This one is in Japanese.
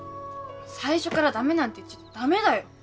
最初から駄目なんて言ってちゃ駄目だよ！